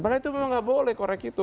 padahal itu memang gak boleh korek itu